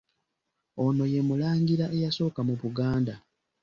Ono ye Mulangira eyasooka mu Buganda.